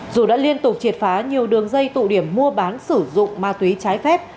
dù đã liên tục triệt phá nhiều đường dây tụ điểm mua bán sử dụng ma túy trái phép